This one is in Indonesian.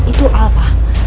itu al pak